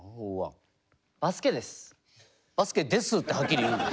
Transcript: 「バスケです」ってはっきり言うんだ。